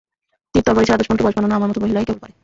তীর-তরবারি ছাড়া দুশমনকে বস বানানো আমার মত মহিলাই কেবল পারে।